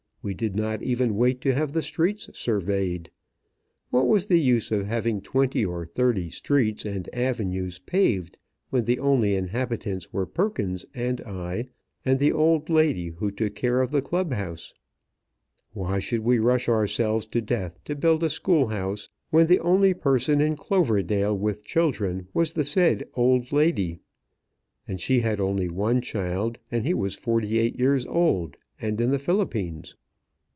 We did not even wait to have the streets surveyed. What was the use of having twenty or thirty streets and avenues paved when the only inhabitants were Perkins and I and the old lady who took care of the Club house? Why should we rush ourselves to death to build a school house when the only person in Cloverdale with children was the said old lady? And she had only one child, and he was forty eight years old, and in the Philippines.